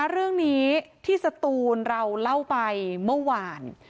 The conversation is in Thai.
เรื่องนี้ที่สตูนเราเล่าไปเมื่อวาน